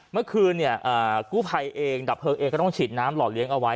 เมื่อคืนเนี่ยกู้ภัยเองดับเพลิงเองก็ต้องฉีดน้ำหล่อเลี้ยงเอาไว้